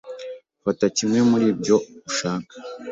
Fata kimwe muri ibyo ushaka.